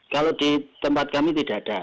kalau di tempat kami tidak ada